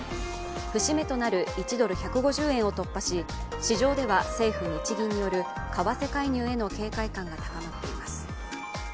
節目となる１ドル＝１５０円を突破し市場では政府・日銀による為替介入への警戒感が高まっています。